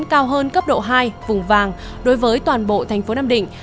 cao hơn cấp độ hai vùng vàng đối với toàn bộ thành phố nam định